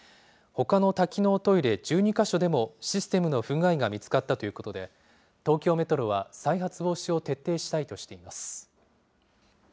ほかの多機能トイレ１２か所でもシステムの不具合が見つかったということで、東京メトロは再発防止を徹底したいとしています。